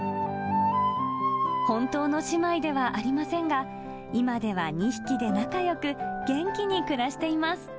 本当の姉妹ではありませんが、今では２匹で仲よく元気に暮らしています。